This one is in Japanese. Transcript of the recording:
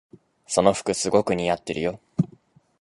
その服すごく似合ってるよ。